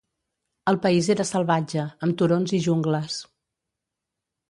El país era salvatge, amb turons i jungles.